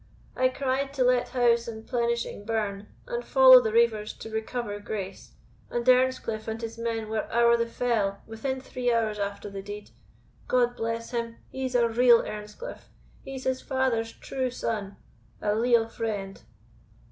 I cried to let house and plenishing burn, and follow the reivers to recover Grace, and Earnscliff and his men were ower the Fell within three hours after the deed. God bless him! he's a real Earnscliff; he's his father's true son a leal friend."